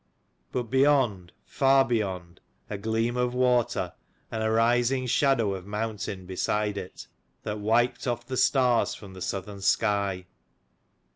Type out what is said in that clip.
But beyond, far beyond, a gleam of water and a rising shadow of mountain beside it, that wiped off the stars from the southern sky.